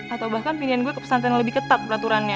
atau bahkan pilihan gue ke pesantren lebih ketat peraturannya